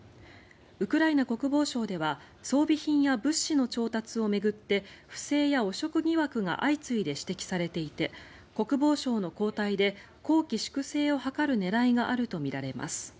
ウクライナ国防省では装備品や物資の調達を巡って不正や汚職疑惑が相次いで指摘されていて国防相の交代で綱紀粛正を図る狙いがあるとみられます。